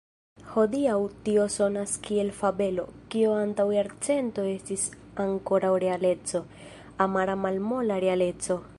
Hodiaŭ tio sonas kiel fabelo, kio antaŭ jarcento estis ankoraŭ realeco, amara malmola realeco.